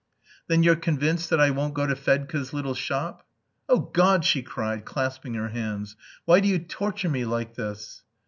"Then you're convinced that I won't go to Fedka's little shop?" "Oh, God!" she cried, clasping her hands. "Why do you torture me like this?"